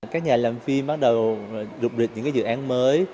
các nhà làm phim bắt đầu rụt rịch những dự án mới